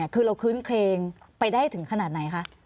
คือเราคลื้นเครงไปได้ถึงขนาดไหนคะ